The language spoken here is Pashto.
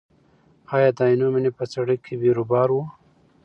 ایا د عینومېنې په سړک کې بیروبار و؟